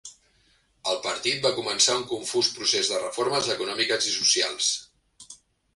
El partit va començar un confús procés de reformes econòmiques i socials.